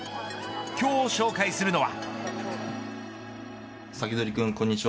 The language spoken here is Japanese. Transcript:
今日紹介するのは。